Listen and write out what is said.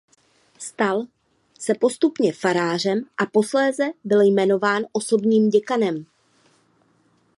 Stal se postupně farářem a posléze byl jmenován osobním děkanem.